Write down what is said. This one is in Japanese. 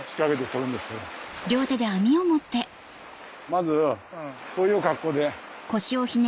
まずこういう格好で。